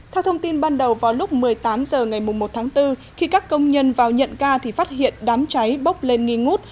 theo thông tin ban đầu vào lúc một mươi tám h ngày một tháng bốn khi các công nhân vào nhận ca thì phát hiện đám cháy bốc lên nghi ngút